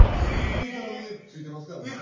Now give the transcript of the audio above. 首から上付いてますからね